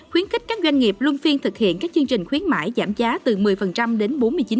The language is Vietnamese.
khuyến khích các doanh nghiệp luân phiên thực hiện các chương trình khuyến mãi giảm giá từ một mươi đến bốn mươi chín